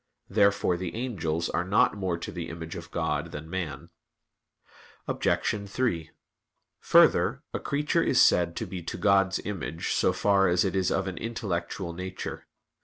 Therefore the angels are not more to the image of God than man. Obj. 3: Further, a creature is said to be to God's image so far as it is of an intellectual nature.